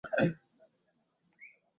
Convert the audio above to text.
miili yao umeme Siyo samaki wakorofi kwa